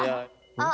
あっ！